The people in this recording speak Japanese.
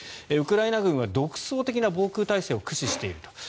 ウクライナ軍は独創的な防空体制を駆使していると。